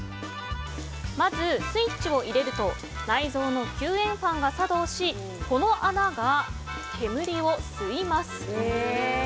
まずスイッチを入れると内蔵の吸煙ファンが作動しこの穴が、煙を吸います。